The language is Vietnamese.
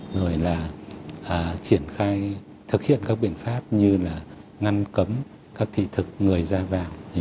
rồi là thực hiện các biện pháp như ngăn cấm các thị thực người ra vào